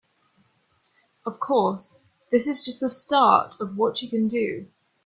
Of course, this is just the start of what you can do.